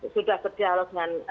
sudah berdialog dengan